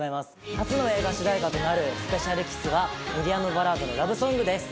初の映画主題歌となる『ＳｐｅｃｉａｌＫｉｓｓ』はミディアムバラードのラブソングです。